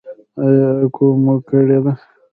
ایا اکو مو کړې ده؟